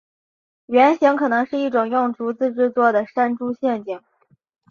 原型可能是一种用竹子制作的山猪陷阱。